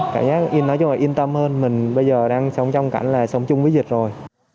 cái in nói chung là yên tâm hơn mình bây giờ đang sống trong cảnh là sống chung với dịch rồi